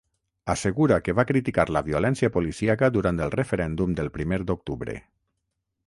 Assegura que va criticar la violència policíaca durant el referèndum del primer d’octubre.